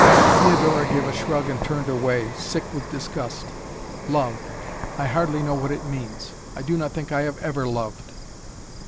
Theodora gave a shrug and turned away, sick with disgust. "Love I hardly know what it means. I do not think I have ever loved."